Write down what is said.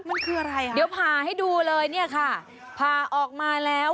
มันคืออะไรอ่ะเดี๋ยวผ่าให้ดูเลยเนี่ยค่ะผ่าออกมาแล้ว